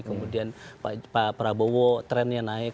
kemudian pak prabowo trennya naik